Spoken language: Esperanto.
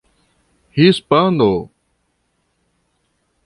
hispano